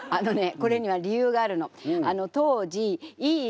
これには理由があるの。